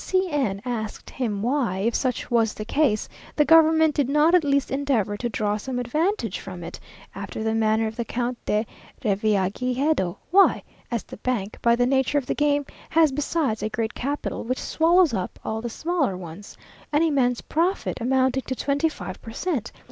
C n asked him why, if such was the case, the government did not at least endeavour to draw some advantage from it, after the manner of the Count de Revillagigedo why, as the bank, by the nature of the game, has, besides a great capital, which swallows up all the smaller ones, an immense profit, amounting to twenty five per cent.